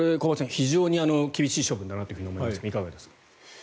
非常に厳しい処分だと思いますがいかがでしょうか。